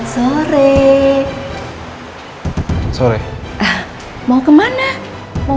terima kasih ma